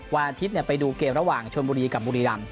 วันอาทิตย์ไปดูเกมระหว่างชนบุรีกับบุรีรำ